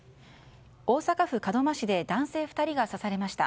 大阪府門真市で男性２人が刺されました。